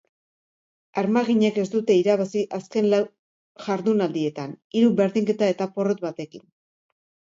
Armaginek ez dute irabazi azken lau jardunaldietan, hiru berdinketa eta porrot batekin.